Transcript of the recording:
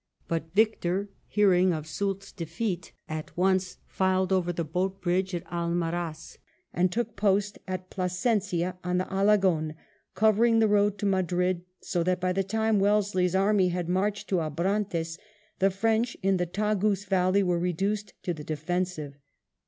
But Victor, hearing of Soult's defeat, at once filed over the boat bridge of Almaraz and took post at Pla sencia on the Alagon, covering the road to Madrid ; so that by the time Wellesley's army had marched to Abrantes the French in the Tagus valley were reduced to the defensive.